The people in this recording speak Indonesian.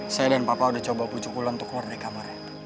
saya dan papa udah coba pujuk ulan keluar dari kamarnya